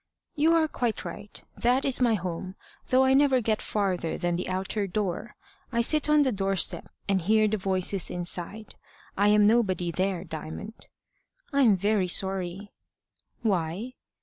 "You are quite right that is my home, though I never get farther than the outer door. I sit on the doorstep, and hear the voices inside. I am nobody there, Diamond." "I'm very sorry." "Why?"